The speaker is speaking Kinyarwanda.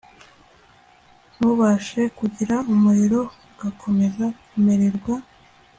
ntubashe kugira umuriro ugakomeza kumererwa